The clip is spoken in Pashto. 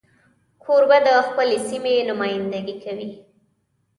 کوربه د خپلې سیمې نمایندګي کوي.